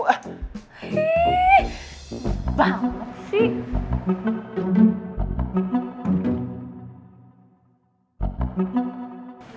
ih banget sih